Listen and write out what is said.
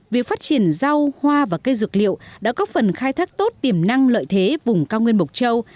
việc phát triển rau hoa và cây dược liệu đã có phần khai thác tốt tiềm năng lợi thế vùng cao nguyên mộc châu